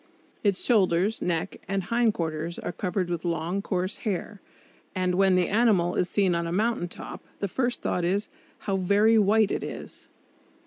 Its shoulders, neck and hindquarters are covered with long, coarse hair, and when the animal is seen on a mountain top the first thought is: "How very white it is!"